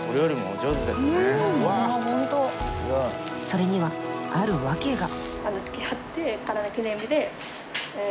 それにはある訳が。